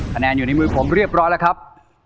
คะแนนอยู่ในมือผมเรียบร้อยแล้วครับ